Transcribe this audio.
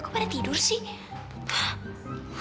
kok pada tidur sih